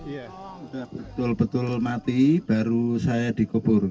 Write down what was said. betul betul mati baru saya dikubur